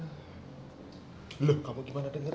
udah kayak don pro chiar